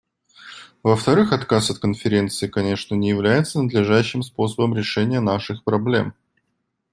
Во-вторых, отказ от Конференции, конечно, не является надлежащим способом решения наших проблем.